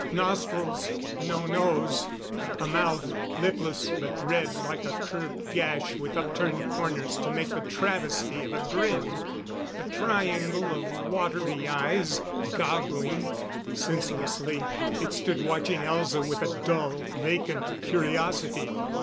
Nostrils no nose; a mouth, lipless, but red like a curved gash with upturned corners to make the travesty of a grin; a triangle of watery eyes, goggling. Senselessly, it stood watching Elza with a dull, vacant curiosity.